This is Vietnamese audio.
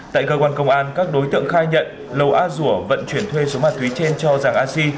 tại cơ quan công an các đối tượng khai nhận lầu a rủ vận chuyển thuê số ma túy trên cho giàng a si